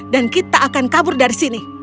dan kita akan kabur dari sini